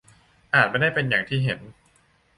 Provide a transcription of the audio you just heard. อาจไม่ได้เป็นอย่างที่เห็น